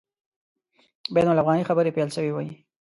بین الافغاني خبري پیل سوي وای.